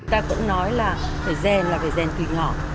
ta cũng nói là phải rèn là phải rèn từ nhỏ